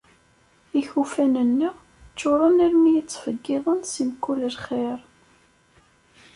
Ikufan-nneɣ ččuren armi i ttfeggiḍen si mkul lxir.